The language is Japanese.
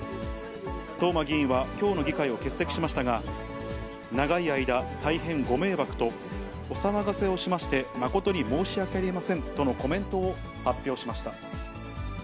東間議員はきょうの議会を欠席しましたが、長い間大変ご迷惑とお騒がせをしまして、誠に申し訳ありませんとのコメントを発表しました。